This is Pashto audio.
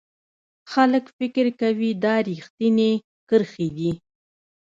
خلک فکر کوي دا ریښتینې کرښې دي.